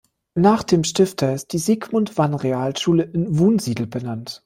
Nach dem Stifter ist die Sigmund-Wann-Realschule in Wunsiedel benannt.